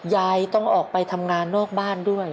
ยายต้องออกไปทำงานนอกบ้านด้วย